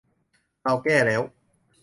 เราแก้แล้ว